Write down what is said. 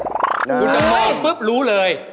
คุณจะมองปุ๊บรู้เลย